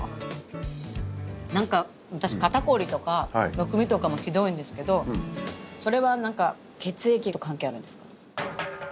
なんか私、肩凝りとかむくみとかもひどいんですけどそれは、なんか血液と関係あるんですか？